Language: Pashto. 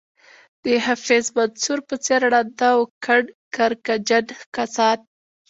د حفیظ منصور په څېر ړانده او کڼ کرکجن کسان.